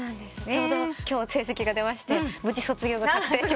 ちょうど今日成績が出まして無事卒業が確定しました。